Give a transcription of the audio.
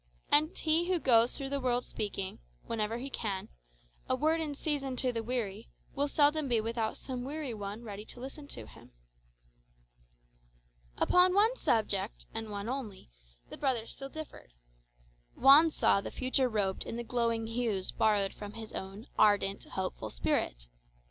And he who goes through the world speaking, whenever he can, a word in season to the weary, will seldom be without some weary one ready to listen to him. Upon one subject, and only one, the brothers still differed. Juan saw the future robed in the glowing hues borrowed from his own ardent, hopeful spirit.